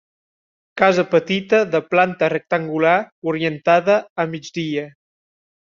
Casa petita de planta rectangular orientada a migdia.